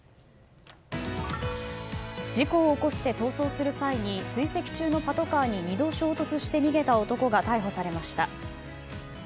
事故を起こして逃走する際に追跡するパトカーに２度衝突して逃げた男が逮捕されました。